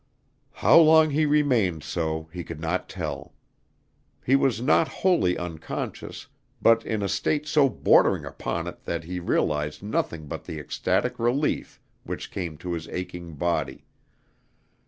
How long he remained so he could not tell. He was not wholly unconscious, but in a state so bordering upon it that he realized nothing but the ecstatic relief which came to his aching body.